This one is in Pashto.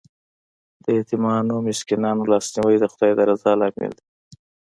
د یتیمانو او مسکینانو لاسنیوی د خدای د رضا لامل دی.